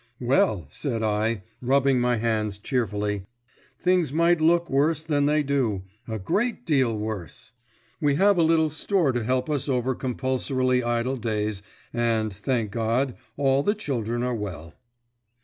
"Well," said I, rubbing my hands cheerfully, "things might look worse than they do a great deal worse. We have a little store to help us over compulsorily idle days, and, thank God, all the children are well."